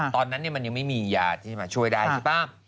ตอนนั้นมันยังไม่มียาที่มาช่วยได้ใช่ป่ะ